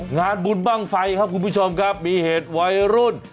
งานบุญบ้างไฟครับคุณผู้ชมครับมีเหตุวัยรุ่น